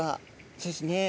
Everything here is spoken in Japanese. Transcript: そうですね。